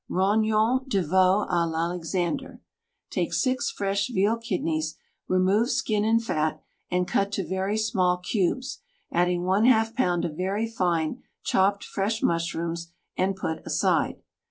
ROGNONS DE VEAU A L'ALEXANDER Take six fresh veal kidneys, remove skin and fat, and cut to very small cubes, adding Yz pound of very fine chopped fresh mushrooms, and put aside.